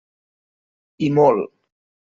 I molt.